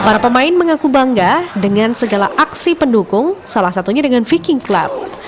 para pemain mengaku bangga dengan segala aksi pendukung salah satunya dengan viking club